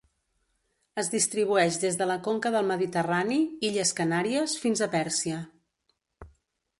Es distribueix des de la conca del Mediterrani, Illes Canàries fins a Pèrsia.